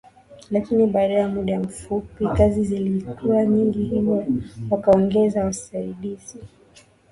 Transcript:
Lakini baada ya muda mfupi kazi zilikuwa nyingi hivyo wakaongeza Wasaidizi